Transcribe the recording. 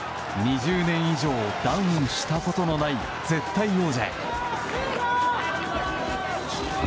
２０年以上ダウンしたことのない絶対王者へ。